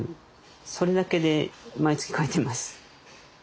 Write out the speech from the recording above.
それだけで毎月書いてます。